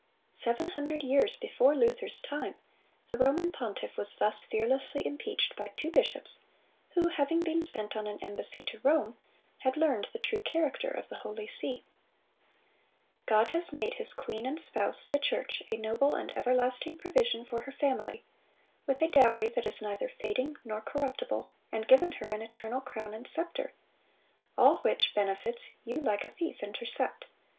Seven hundred years before Luther's time, the Roman pontiff was thus fearlessly impeached by two bishops, who, having been sent on an embassy to Rome, had learned the true character of the "holy see:" God "has made His queen and spouse, the church, a noble and everlasting provision for her family, with a dowry that is neither fading nor corruptible, and given her an eternal crown and scepter; ... all which benefits you like a thief intercept.